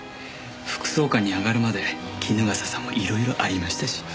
副総監に上がるまで衣笠さんもいろいろありましたし。